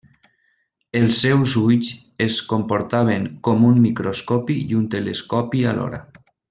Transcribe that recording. Els seus ulls es comportaven com un microscopi i un telescopi alhora.